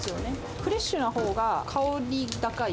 フレッシュなほうが香り高い。